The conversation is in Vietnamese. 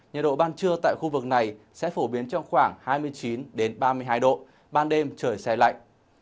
nhiệt độ ban trưa tại khu vực này sẽ phổ biến trong khoảng hai mươi chín ba mươi hai độ ban đêm trời xe lạnh